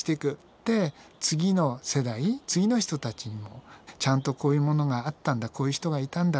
で次の世代次の人たちにもちゃんとこういうものがあったんだこういう人がいたんだ